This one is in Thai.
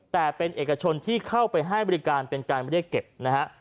แต่เป็นเอกชนที่เข้าไปให้บริการเป็นการเรียกเก็บนะฮะ